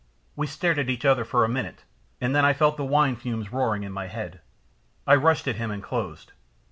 We stared at each other for a minute, and then I felt the wine fumes roaring in my head; I rushed at him and closed.